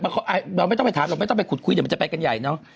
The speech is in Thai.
เราไม่ต้องไปถามหรอกไม่ต้องไปขุดคุยเดี๋ยวมันจะไปกันใหญ่เนอะ